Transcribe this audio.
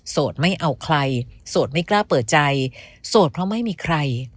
ไม่เอาใครโสดไม่กล้าเปิดใจโสดเพราะไม่มีใคร